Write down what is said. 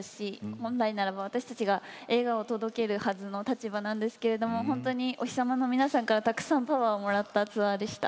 本来ならば私たちが笑顔を届けるはずの立場なんですけれどおひさまの皆さんからたくさんパワーをもらったツアーでした。